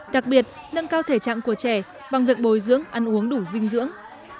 đặc biệt nâng cao thể trạng của trẻ bằng việc bồi dưỡng ăn uống đủ dinh dưỡng